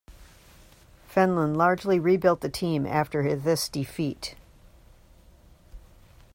Fenlon largely rebuilt the team after this defeat.